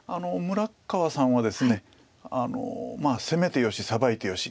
村川さんはですね攻めてよしサバいてよし。